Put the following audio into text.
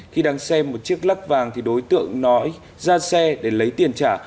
khi đang xem một chiếc lắc vàng thì đối tượng nói ra xe để lấy tiền trả